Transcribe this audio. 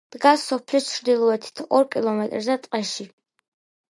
დგას სოფლის ჩრდილოეთით ორ კილომეტრზე, ტყეში.